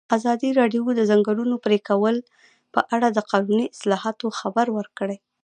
ازادي راډیو د د ځنګلونو پرېکول په اړه د قانوني اصلاحاتو خبر ورکړی.